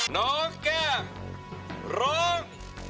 น้องแก้มร้อง